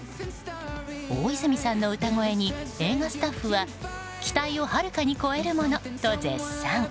大泉さんの歌声に映画スタッフは期待をはるかに超えるものと絶賛。